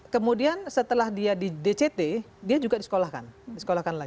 kemudian setelah dia di dct dia juga disekolahkan lagi